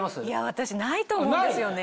私ないと思うんですよね。